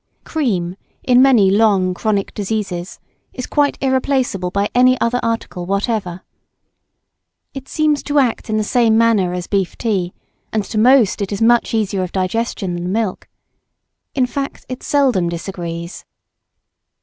Cream, in many long chronic diseases, is quite irreplaceable by any other article whatever. It seems to act in the same manner as beef tea, and to most it is much easier of digestion than milk. In fact, it seldom disagrees.